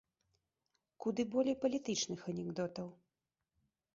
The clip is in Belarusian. Куды болей палітычных анекдотаў.